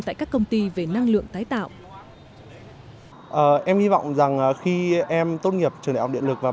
tại các công ty về năng lượng tái tạo